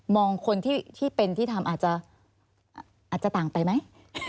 คนที่เป็นที่ทำอาจจะต่างไปไหม